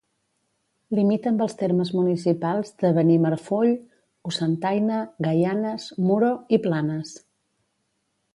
Limita amb els termes municipals de Benimarfull, Cocentaina, Gaianes, Muro i Planes.